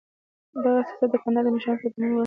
دغه سیاست د کندهار مشرانو ته د منلو وړ نه و.